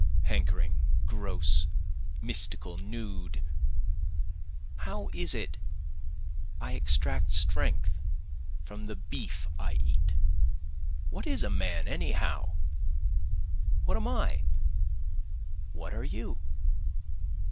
hankering, gross, mystical, nude; How is it I extract strength from the beef I eat? What is a man anyhow? what am I? what are you?